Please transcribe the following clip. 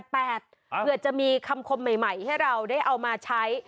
เผื่อจะมีคำคมใหม่ให้เราได้เอามาใช้